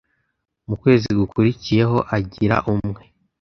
mu kwezi gukurikiyeho, agira umwe